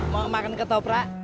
mau makan ketoprak